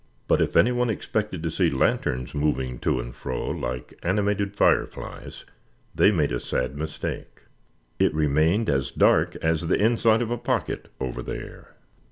But if any one expected to see lanterns moving to and fro like animated fireflies, they made a sad mistake. It remained as dark as the inside of a pocket over there.